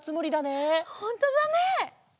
ほんとだね！